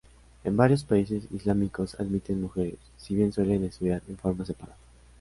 En varios países islámicos admiten mujeres, si bien suelen estudiar en forma separada.